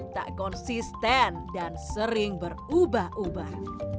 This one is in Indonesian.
tak konsisten dan sering berubah ubah